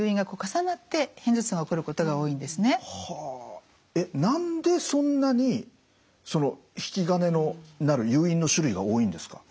ただ何でそんなにその引き金になる誘因の種類が多いんですか？